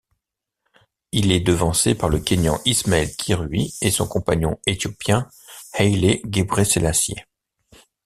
Il est devancé par le Kényan Ismael Kirui et son compatriote éthiopien Haile Gebreselassie.